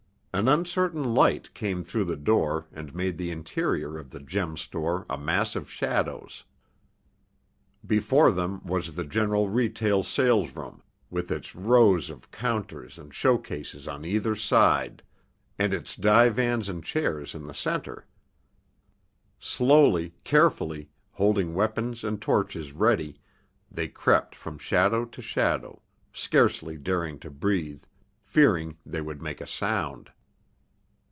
An uncertain light came through the door and made the interior of the gem store a mass of shadows. Before them was the general retail salesroom, with its rows of counters and show cases on either side, and its divans and chairs in the center. Slowly, carefully, holding weapons and torches ready, they crept from shadow to shadow, scarcely daring to breathe, fearing they would make a sound.